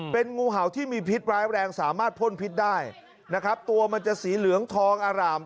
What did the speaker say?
เป็นงูเห่าที่มีพิษร้ายแรงสามารถพ่นพิษได้นะครับตัวมันจะสีเหลืองทองอร่าม